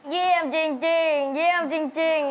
เยี่ยมจริงเยี่ยมจริง